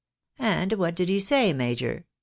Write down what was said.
" And what did he say, major ?